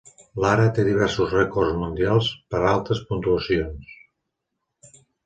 Lara té diversos rècords mundials per altes puntuacions.